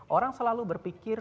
orang selalu berpikir